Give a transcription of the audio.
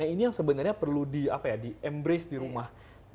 ini yang sebenarnya perlu di embrace di rumah